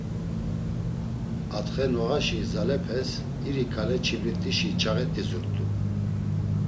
Atxe noğaşi gzalepes iri ǩale çibrit̆işi çağet̆i zurt̆u.